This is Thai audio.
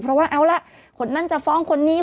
เพราะว่าเอาล่ะคนนั้นจะฟ้องคนนี้